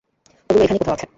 ওগুলো এখানেই কোথাও আছে।